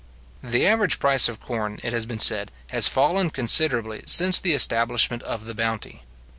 The average price of corn, it has been said, has fallen considerably since the establishment of the bounty.